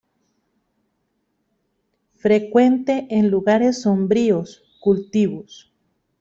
Frecuente en lugares sombríos, cultivos.